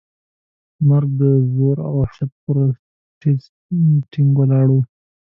مرګ د زور او وحشت پر سټېج ټینګ ولاړ و.